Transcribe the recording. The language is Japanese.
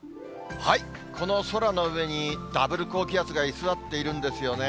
この空の上に、ダブル高気圧が居座っているんですよね。